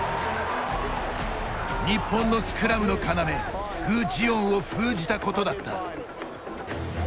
日本のスクラムの要具智元を封じたことだった。